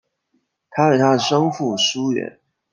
他与他的生父疏远。